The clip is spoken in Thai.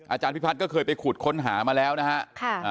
อาจารย์พิพัฒน์ก็เคยไปขุดค้นหามาแล้วนะฮะ